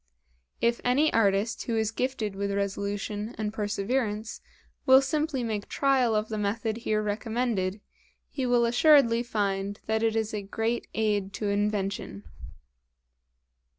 If any artist who is gifted with resolution and perseverance will simply make trial of the method here recommended, he will assuredly find that it is a great aid to Invention.